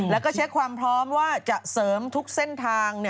แล้วก็เช็คความพร้อมว่าจะเสริมทุกเส้นทาง